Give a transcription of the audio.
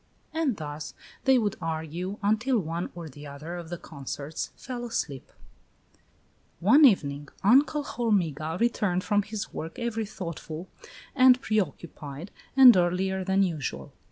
And thus they would argue until one or the other of the consorts fell asleep. II. One evening Uncle Hormiga returned from his work every thoughtful and preoccupied, and earlier than usual.